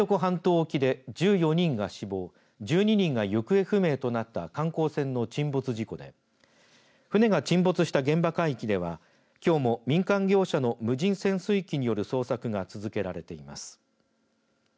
知床半島沖で１４人が死亡、１２人が行方不明となった観光船の沈没事故で船が沈没した現場海域ではきょうも民間業者の無人潜水機による捜索が続けられています。